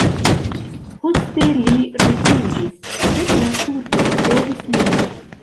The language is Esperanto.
Poste li rifuĝis, sed la turkoj trovis lin.